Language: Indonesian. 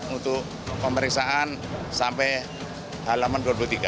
untuk pemeriksaan sampai halaman dua puluh tiga